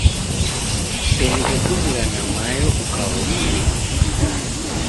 Kuseliw'e kuzighana mayo ukaghosia.